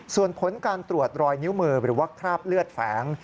ส่วนผลการตรวจรอยนิ้วมือหรือว่าคราบเลือดแฝง